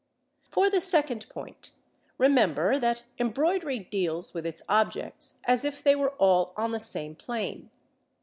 For the second point: remember that embroidery deals with its objects as if they were all on the same plane.